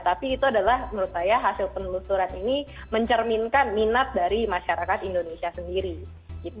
tapi itu adalah menurut saya hasil penelusuran ini mencerminkan minat dari masyarakat indonesia sendiri gitu